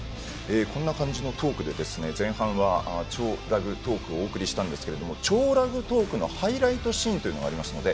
こんな感じのトークで前半は「超ラグトーク」をお送りしましたが「超ラグトーク」のハイライトシーンがありましたので